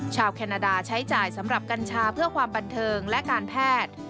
แคนาดาใช้จ่ายสำหรับกัญชาเพื่อความบันเทิงและการแพทย์